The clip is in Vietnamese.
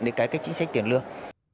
để cải cách chính sách tiền lương